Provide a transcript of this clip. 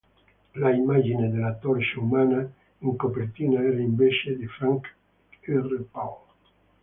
L'immagine della Torcia Umana in copertina era invece di Frank R. Paul.